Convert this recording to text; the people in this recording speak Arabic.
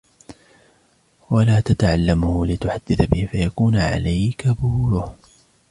وَلَا تَتَعَلَّمْهُ لِتُحَدِّثَ بِهِ فَيَكُونُ عَلَيْك بُورُهُ